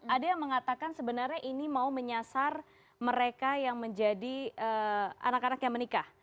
ada yang mengatakan sebenarnya ini mau menyasar mereka yang menjadi anak anak yang menikah